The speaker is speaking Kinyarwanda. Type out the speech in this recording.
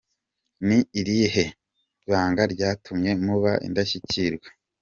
Ni irihe banga ryatumye muba indashyikirwa?.